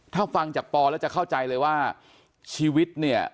ถ้าฟังจากปอแล้วจะเข้าใจเลยว่าชีวิตเนี่ย